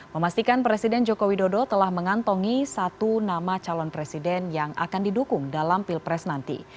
memastikan presiden joko widodo telah mengantongi satu nama calon presiden yang akan didukung dalam pilpres nanti